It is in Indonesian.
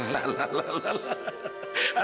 lah lah lah lah lah